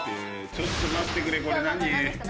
ちょっと待ってくれこれ何？